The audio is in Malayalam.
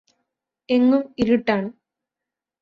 എങ്ങും ഇരുട്ടാണ്